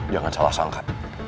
jangan salah sangka